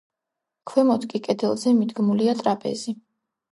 ქვემოთ კი, კედელზე, მიდგმულია ტრაპეზი.